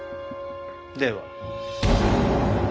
では。